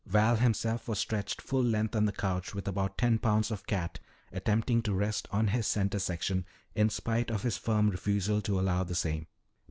Val himself was stretched full length on the couch with about ten pounds of cat attempting to rest on his center section in spite of his firm refusal to allow the same.